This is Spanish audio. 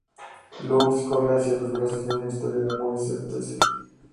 Lois corre hacia los brazos de una historia de amor y certeza.